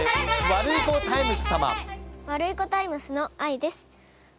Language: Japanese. ワルイコタイムスのあいです。